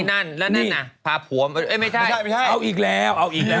นอนไม่มีแล้ว